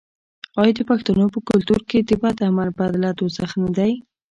آیا د پښتنو په کلتور کې د بد عمل بدله دوزخ نه دی؟